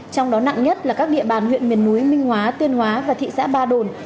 trong đó nặng nhất là các địa bàn huyện miền núi minh hóa tuyên hóa và thị xã ba đồn